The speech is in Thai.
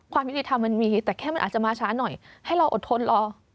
ความยุติธรรมมันมีแต่แค่มันอาจจะมาช้าหน่อยให้เราอดทนรอ